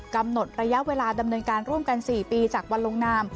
กำหนดระยะเวลาดำเนินการร่วมกัน๔ปีจากวันลงนาม